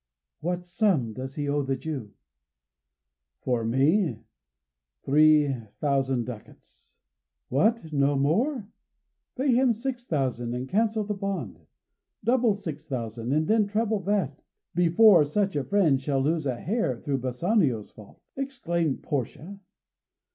"What sum does he owe the Jew?" "For me, three thousand ducats." "What! no more? Pay him six thousand and cancel the bond. Double six thousand, and then treble that, before such a friend shall lose a hair through Bassanio's fault!" exclaimed Portia.